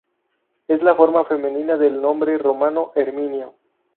Es la forma femenina del nombre romano Herminio.